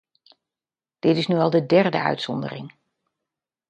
Dit is nu al de derde uitzondering.